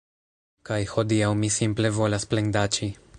Kaj hodiaŭ mi simple volas plendaĉi